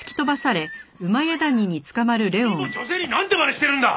君も女性になんてまねしてるんだ！